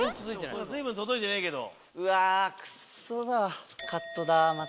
随分届いてないけど。